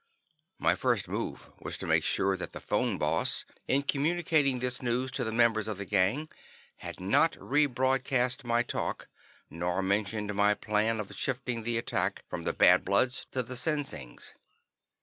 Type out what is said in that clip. My first move was to make sure that the Phone Boss, in communicating this news to the members of the Gang, had not re broadcast my talk nor mentioned my plan of shifting the attack from the Bad Bloods to the Sinsings.